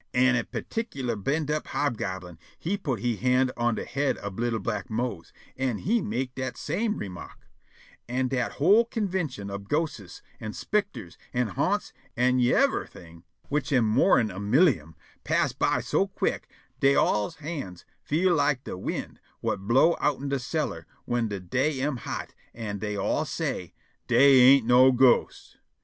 An' a perticklar bend up hobgoblin he put' he hand on de head ob li'l' black Mose, an' he mek' dat same _re_mark, an' dat whole convintion ob ghostes an' spicters an' ha'nts an' yiver'thing, which am more 'n a millium, pass by so quick dey all's hands feel lak de wind whut blow outen de cellar whin de day am hot, an' dey all say, "Dey ain't no ghosts."